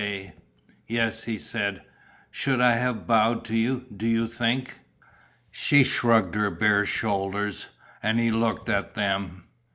"Yes," he said. "Should I have bowed to you, do you think?" She shrugged her bare shoulders; and he looked at them.